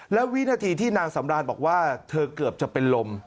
แล้ววินาทีที่นางสำรานบอกว่าเธอเกือบจะเป็นลม